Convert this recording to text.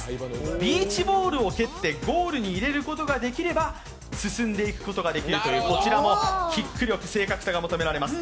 ビーチボールを蹴ってゴールに入れることができれば進んでいくことができるというこちらもキック力、正確さが求められます。